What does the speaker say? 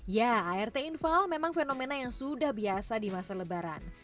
ya art infal memang fenomena yang sudah biasa di masa lebaran